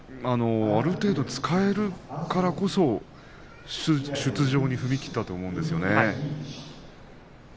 ある程度使えるからこそ出場に踏み切ったと思うんですよね。